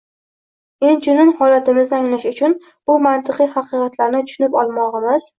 Inchunun, holatimizni anglash uchun bu mantiqiy haqiqatlarni tushunib olmog‘imiz